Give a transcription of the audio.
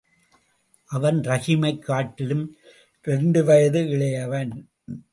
அவன் ரஹீமைக் காட்டிலும் இரண்டு வயது இளையவன்.